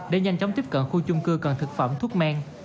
để nhanh chóng tiếp cận khu chung cư cần thực phẩm thuốc men